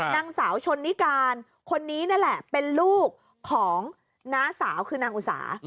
นางสาวชนนิการคนนี้นั่นแหละเป็นลูกของน้าสาวคือนางอุสา